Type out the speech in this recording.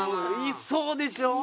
いそうでしょ。